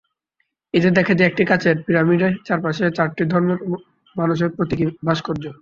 এতে দেখা যায়, একটি কাচের পিরামিডে চারপাশে চারটি ধর্মের মানুষের প্রতীকী ভাস্কর্য।